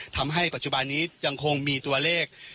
ทำให้ปัจจุบันนี้ยังคงมีตัวเลข